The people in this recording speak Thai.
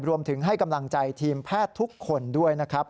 รวมถึงให้กำลังใจทีมแพทย์ทุกคนด้วยนะครับ